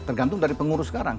tergantung dari pengurus sekarang